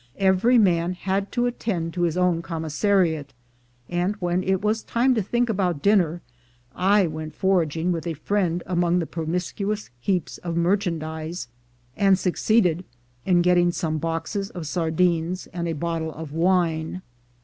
Every man had to attend to his own commissariat; and when it was time to think about dinner, I went foraging with a friend among the promiscuous heaps of merchandise, and succeeded in getting some boxes of sardines and a bottle of wine.